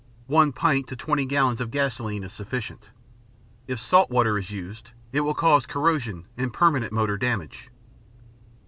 One pint to 20 gallons of gasoline is sufficient. If salt water is used, it will cause corrosion and permanent motor damage.